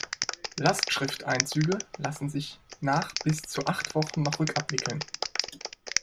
Lastschrifteinzüge lassen sich nach bis zu acht Wochen noch rückabwickeln.